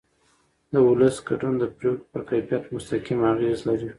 د ولس ګډون د پرېکړو پر کیفیت مستقیم اغېز لري